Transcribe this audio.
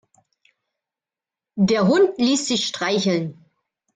Der Hund ließ sich streicheln.